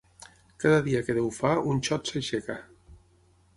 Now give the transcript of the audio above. Cada dia que Déu fa, un xot s'aixeca.